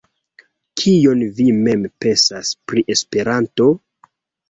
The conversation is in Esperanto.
Kion vi mem pensas pri Esperanto?